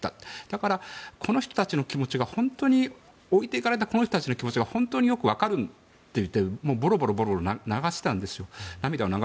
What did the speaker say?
だからこの人たちの気持ちが置いて行かれた人たちの気持ちが本当によく分かるってボロボロ涙を流していたんです。